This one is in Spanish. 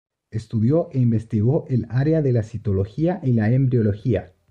Estudió e investigó el área de la citología y la embriología.